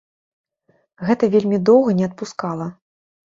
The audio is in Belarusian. Гэта вельмі доўга не адпускала.